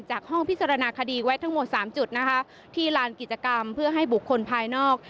ห้องพิจารณาคดีไว้ทั้งหมดสามจุดนะคะที่ลานกิจกรรมเพื่อให้บุคคลภายนอก